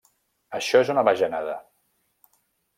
Això és una bajanada.